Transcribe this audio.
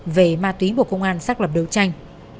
về ma túy bộ công an xác lập đấu tranh